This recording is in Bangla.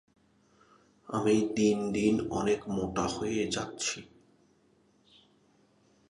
এ দুই রাষ্ট্রের মধ্যকার সম্পর্ক বরাবরই বেশ উষ্ণ এবং তা গভীর করার ব্যাপারে উভয়েই আগ্রহী।